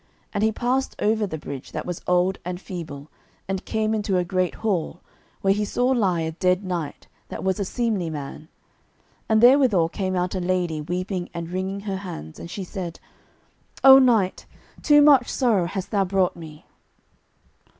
And he passed over the bridge, that was old and feeble, and came into a great hall, where he saw lie a dead knight, that was a seemly man. And therewithal came out a lady weeping and wringing her hands, and she said: "Oh, knight, too much sorrow hast thou brought me."